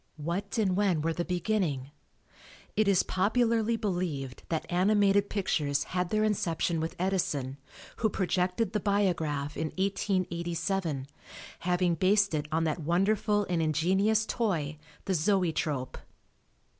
What and when were the beginning? It is popularly believed that animated pictures had their inception with Edison who projected the biograph in 1887, having based it on that wonderful and ingenious toy, the Zoetrope.